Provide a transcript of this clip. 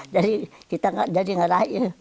jadi kita jadi ngerah ya